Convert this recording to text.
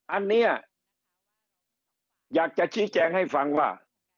อันนี้อยากจะชี้แจงให้ฟังว่า